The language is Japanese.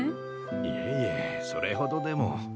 いえいえそれほどでも。